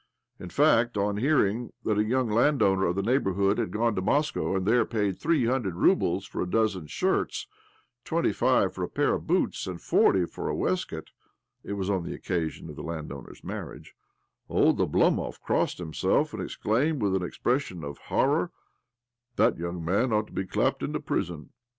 In fact, on hearing that a young landowner of the neighbourhood had gone to Moscow and there paid three hundred roubles for a dozen shirts, twenty five for a pair of boots, and forty for a waistcoat (it was on the occasion of the landowner's marriage), old Oblomov crossed himself, and exclaimed with an expression of horror :" That young man ought to be clapped into prison